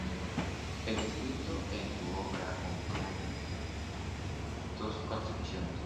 El escritor en su obra compara dos concepciones.